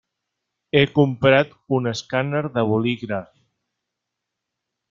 He comprat un escàner de bolígraf.